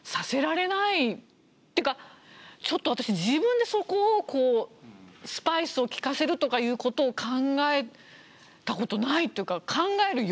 っていうかちょっと私自分でそこをスパイスを利かせるとかいうことを考えたことないっていうか考える余裕がないっていうか。